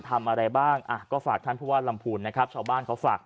ทำอะไรบ้างอ่ะก็ฝากท่านผู้ว่าลำพูนนะครับชาวบ้านเขาฝาก